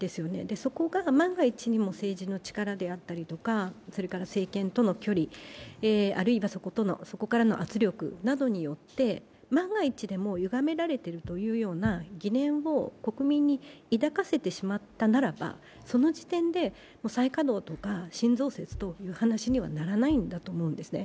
そこが万が一にも政治の力であったりとか政権との距離、あるいはそこからの圧力などによって万が一でもゆがめられているというような疑念を国民に抱かせてしまったならば、その時点で再稼働とか新増設という話には本来、ならないと思うんです。